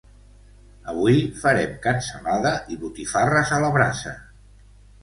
Avui farem cansalada i botifarres a la brasa